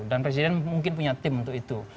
dan presiden mungkin punya tim untuk itu